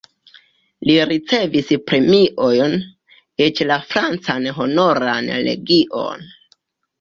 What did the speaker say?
Li ricevis premiojn, eĉ la francan Honoran legion.